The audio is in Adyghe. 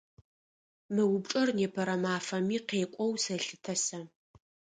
Мы упчӏэр непэрэ мафэми къекӏоу сэлъытэ сэ.